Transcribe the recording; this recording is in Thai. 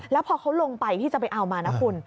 แล้วพอเขาลงไปที่จะไปเอามานะคุณ